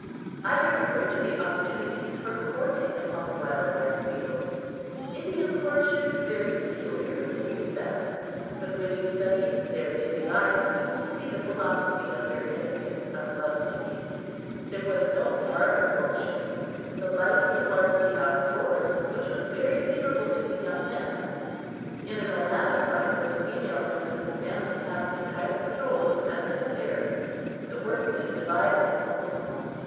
I have referred to the opportunities for courting upon the wild rice fields. Indian courtship is very peculiar in many respects; but when you study their daily life you will see the philosophy of their etiquette of love making. There was no parlor courtship; the life was largely out of doors, which was very favorable to the young men In a nomadic life where the female members of the family have entire control of domestic affairs, the work is divided among them all.